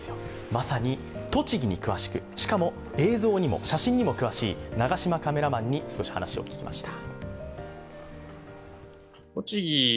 まさに栃木に詳しくしかも映像にも写真にも詳しい長島カメラマンに少し話を聞きました。